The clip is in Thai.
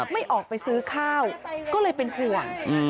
ไม่ออกไปซื้อข้าวก็เลยเป็นห่วง